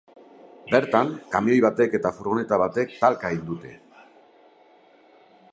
Bertan, kamioi batek eta furgoneta batek talka egin dute.